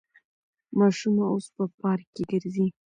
ماشومه اوس په پارک کې ګرځي.